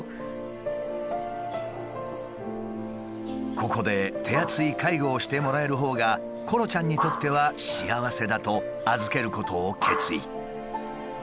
ここで手厚い介護をしてもらえるほうがコロちゃんにとっては幸せだと預けることを決意。